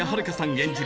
演じる